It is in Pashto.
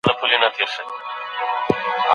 آیا افراد کولای سي د تعلیمي تجربو له لاري پرمختګ وکړي؟